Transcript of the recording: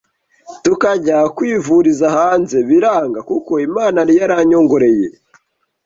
tukajya kwivuriza hanze biranga kuko Imana yari yaranyongoreye